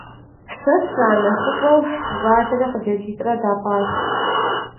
Сэ сранэхъыщӀэу зы щӏалэрэ хъыджэбзитӏрэ дапӀащ.